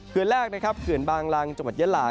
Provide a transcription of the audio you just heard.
เขื่อนแรกเขื่อนบางรังจังหวัดเยลา